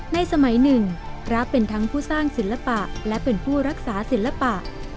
ในสมัยหนึ่งพระเป็นทั้งผู้สร้างศิลปะและเป็นผู้รักษาศิลปะ